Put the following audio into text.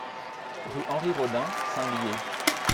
Rue Henri Rodin, Saint-Lyé